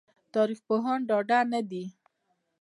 تاريخ پوهان ډاډه نه دي